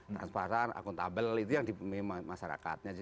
transparan akuntabel itu yang diperlukan masyarakat